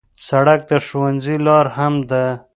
سړک د ښوونځي لار هم ده.